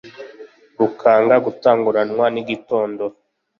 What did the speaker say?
rukanga gutanguranwa n'igitondo.